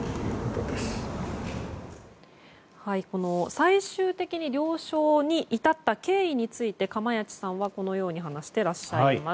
最終的に了承に至った経緯について、釜萢さんはこのように話していらっしゃいます。